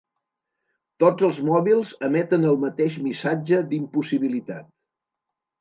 Tots els mòbils emeten el mateix missatge d'impossibilitat.